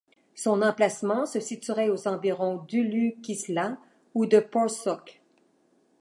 Son emplacement se situerait aux environs d'Ulukışla ou de Porsuk.